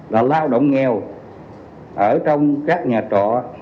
là lao động nghèo ở trong các nhà trọ